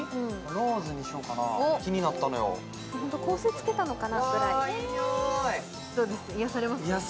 ローズにしようかな気になったのよホント香水つけたのかなぐらいどうです癒やされます？